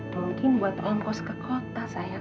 mungkin buat ongkos ke kota saya